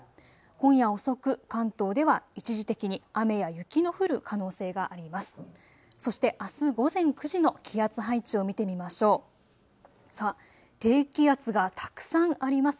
今夜遅く関東では一時的に雨や雪の降る可能性があります。